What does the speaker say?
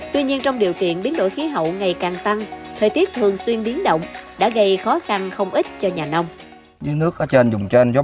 tuy nhiên trong điều kiện biến đổi khí hậu ngày càng tăng